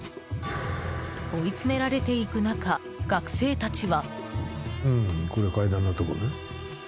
追い詰められていく中学生たちは。